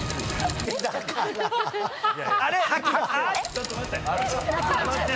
ちょっと待って。